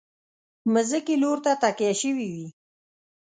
مخکې لور ته تکیه شوي وي.